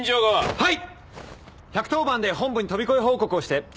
はい。